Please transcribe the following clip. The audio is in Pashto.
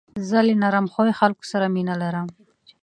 زه له نرم خوی خلکو سره مینه لرم.